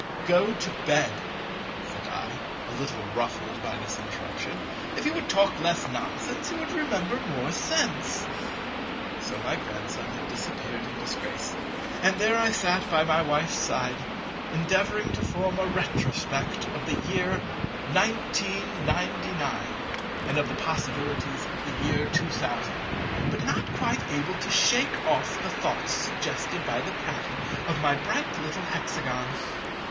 "Go to bed," said I, a little ruffled by this interruption: "if you would talk less nonsense, you would remember more sense." So my Grandson had disappeared in disgrace; and there I sat by my Wife's side, endeavouring to form a retrospect of the year 1999 and of the possibilities of the year 2000; but not quite able to shake of the thoughts suggested by the prattle of my bright little Hexagon.